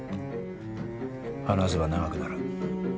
話せば長くなる。